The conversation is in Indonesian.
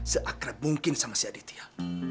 seakrab mungkin sama si aditya